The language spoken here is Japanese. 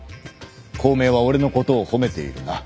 孔明は俺のことを褒めているな。